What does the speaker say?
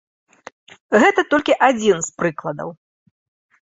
Гэта толькі адзін з прыкладаў.